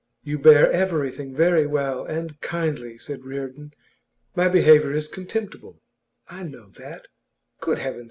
'You bear everything very well and kindly,' said Reardon. 'My behaviour is contemptible; I know that. Good heavens!